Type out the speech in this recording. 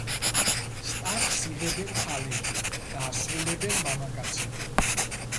სტარტს იღებენ ქალები და ასრულებენ მამაკაცები.